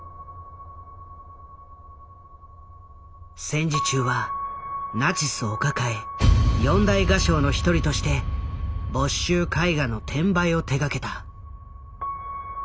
戦時中はナチスお抱え四大画商の一人として没収絵画の転売を手がけた。